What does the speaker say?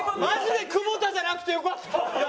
マジで久保田じゃなくてよかったわ。